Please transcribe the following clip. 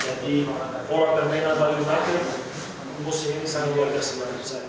jadi orang termenat bali united musim ini sangat bergantung